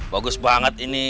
bagus banget ini